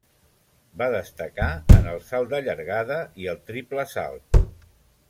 Va destacar en el salt de llargada i el triple salt.